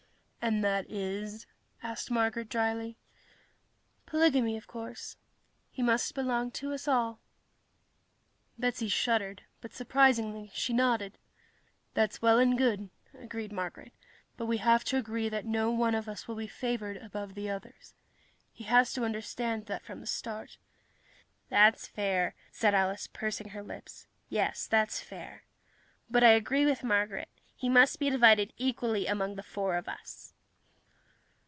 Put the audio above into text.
"And that is...?" asked Marguerite drily. "Polygamy, of course. He must belong to us all." Betsy shuddered but, surprisingly, she nodded. "That's well and good," agreed Marguerite, "but we have to agree that no one of us will be favored above the others. He has to understand that from the start." "That's fair," said Alice, pursing her lips. "Yes, that's fair. But I agree with Marguerite: he must be divided equally among the four of us."